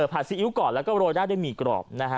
ผัดสิ้วก่อนแล้วโรยหน้าได้หมี่กรอบ